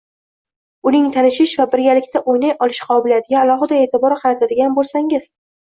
uning tanishish va birgalikda o‘ynay olish qobiliyatiga alohida e’tibor qaratadigan bo‘lsangiz